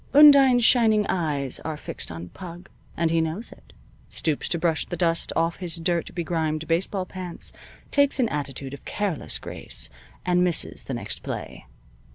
Undine's shining eyes are fixed on "Pug," and he knows it, stoops to brush the dust off his dirt begrimed baseball pants, takes an attitude of careless grace and misses the next play.